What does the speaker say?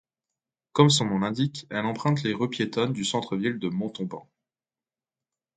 Comme son nom l'indique, elle emprunte les rues piétonnes du centre-ville de Montauban.